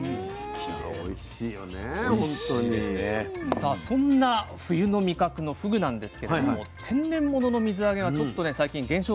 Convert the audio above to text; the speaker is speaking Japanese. さあそんな冬の味覚のふぐなんですけれども天然物の水揚げがちょっとね最近減少傾向にあるんですね。